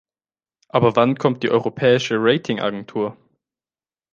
Aber wann kommt die Europäische Ratingagentur?